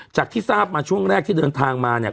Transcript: ที่ทราบมาช่วงแรกที่เดินทางมาเนี่ย